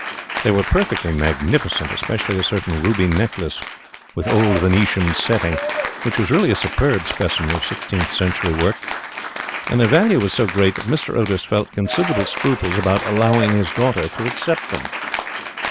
They were perfectly magnificent, especially a certain ruby necklace with old Venetian setting, which was really a superb specimen of sixteenth century work, and their value was so great that Mr. Otis felt considerable scruples about allowing his daughter to accept them.